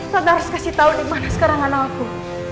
tante harus kasih tahu dimana sekarang anak aku